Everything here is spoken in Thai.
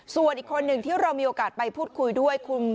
ส่วนอีกคนหนึ่งที่เรามีโอกาสไปพูดคุยด้วยคุณ